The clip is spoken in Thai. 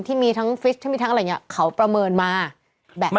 ที่มีทั้งฟิชที่มีทั้งอะไรอย่างนี้เขาประเมินมาแบบนี้